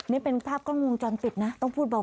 นี่เป็นภาพกล้องวงจรปิดนะต้องพูดบอก